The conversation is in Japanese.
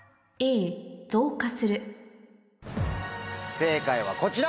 正解はこちら！